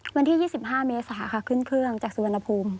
วันที่๒๕เมษาค่ะขึ้นเครื่องจากสุวรรณภูมิ